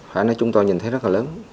phải nói chúng tôi nhìn thấy rất là lớn